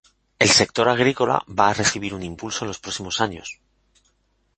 El sector agrícola va a recibir un impulso en los próximos años.